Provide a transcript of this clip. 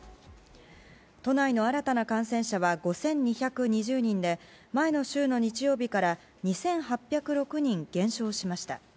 都内の新たな感染者は５２２０人で、前の週の日曜日から２８０６人減少しました。